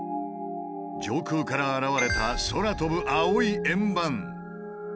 上空から現れた「空飛ぶ青い円盤」。